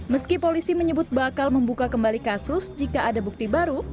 meski polisi menyebut bakal membuka kembali kasus jika ada bukti baru